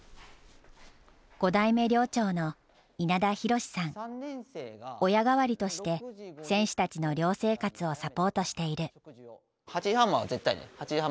５代目寮長の親代わりとして選手たちの寮生活をサポートしている。